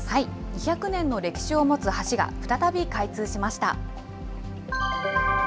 ２００年の歴史を持つ橋が再び開通しました。